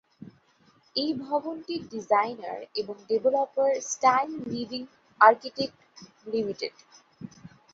এই ভবনটির ডিজাইনার এবং developer style living architect limited.